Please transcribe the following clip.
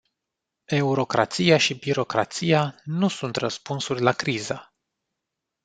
Eurocrația și birocrația nu sunt răspunsuri la criză.